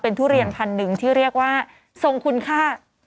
ทุเรียนพันธุ์หนึ่งที่เรียกว่าทรงคุณค่า